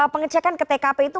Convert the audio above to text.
pengecekan ke tkp itu